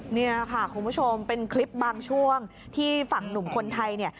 เนี่ยค่ะคุณผู้ชมเป็นคลิปบางช่วงที่ฝั่งหนุ่มคนไทยเนี่ย